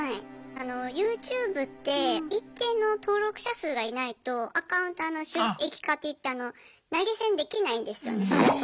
あのＹｏｕＴｕｂｅって一定の登録者数がいないとアカウントの収益化といって投げ銭できないんですよねそもそも。